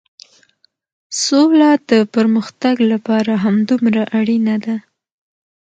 سوله د پرمختګ لپاره همدومره اړينه ده.